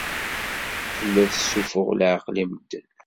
Tella tessuffuɣ leɛqel i medden.